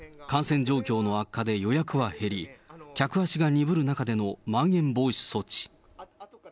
感染状況の悪化で予約は減り、客足が鈍る中でのまん延防止措置。